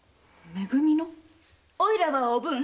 おいらは「おぶん」